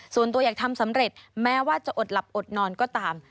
ส่วนตัวอยากทำสำเร็จแม้ว่าจะอดหลับอดนอนก็ตาม